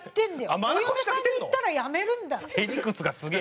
お嫁さんにいったら辞めるんだよ。